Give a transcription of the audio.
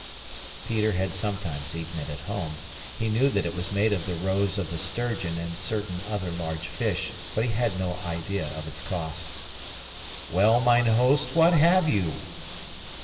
Peter had sometimes eaten it at home; he knew that it was made of the roes of the sturgeon and certain other large fish, but he had no idea of its cost. "Well, mine host, what have you?"